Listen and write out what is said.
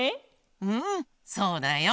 うんそうだよ。